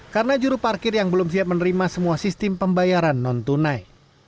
karena juru parkir yang belum siap menerima semua sistem pembayaran non tunai